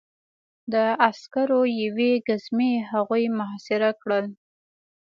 د عسکرو یوې ګزمې هغوی محاصره کړل